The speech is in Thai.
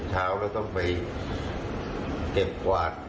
เช้าแล้วต้องไปเก็บกวาด